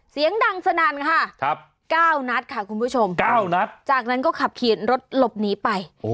เสียงดังสนั่นค่ะ๙นัดค่ะคุณผู้ชม๙นัดจากนั้นก็ขับขี่รถหลบหนีไป